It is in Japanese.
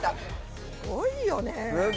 すごいよね。